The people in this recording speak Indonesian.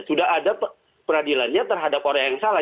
sudah ada peradilannya terhadap orang yang salah